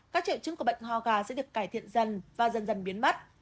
các triệu chứng của bệnh ho gà sẽ được cải thiện dần và dần dần biến mất